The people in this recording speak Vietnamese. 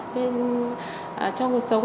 bên trong cuộc sống